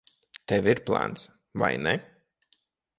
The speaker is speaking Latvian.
Tev ir plāns, vai ne?